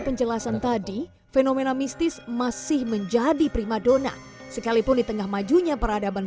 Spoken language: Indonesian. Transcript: penjelasan tadi fenomena mistis masih menjadi prima dona sekalipun di tengah majunya peradaban